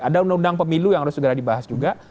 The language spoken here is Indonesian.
ada undang undang pemilu yang harus segera dibahas juga